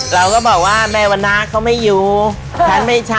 เราก็บอกว่าแม่วันนาเขาไม่อยู่ฉันไม่ใช่